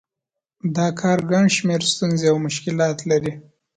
دا کار ګڼ شمېر ستونزې او مشکلات لري